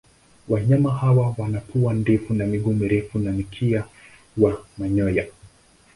Wanyama hawa wana pua ndefu na miguu mirefu na mkia wa manyoya.